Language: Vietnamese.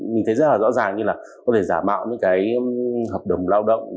mình thấy rất là rõ ràng như là có thể giả mạo những cái hợp đồng lao động